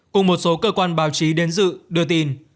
cùng một số cơ quan báo chí đến dự đưa tin